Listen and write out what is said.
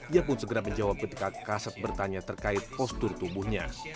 ia pun segera menjawab ketika kasat bertanya terkait postur tubuhnya